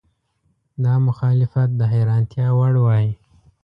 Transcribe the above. دا مخالفت د حیرانتیا وړ وای.